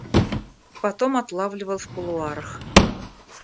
Потом отлавливал в кулуарах.